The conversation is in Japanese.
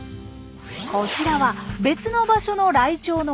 こちらは別の場所のライチョウの親子です。